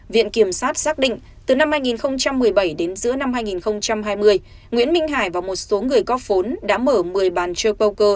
viện kiểm sát xác định từ năm hai nghìn một mươi bảy đến giữa năm hai nghìn hai mươi nguyễn minh hải và một số người góp vốn đã mở một mươi bàn trơ power